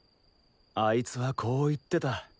あいつはこう言ってた。